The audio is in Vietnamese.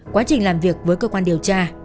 quá trình làm việc với cơ quan điều tra